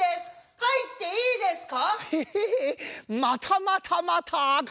はいっていいですか？